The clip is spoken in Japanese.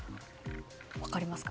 分かりますか？